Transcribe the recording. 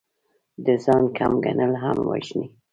د ځان کم ګڼل همت وژني.